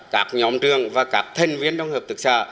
các nhóm trường và các thành viên trong hợp thực sự